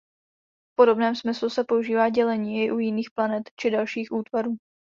V podobném smyslu se používá dělení i u jiných planet či dalších útvarů.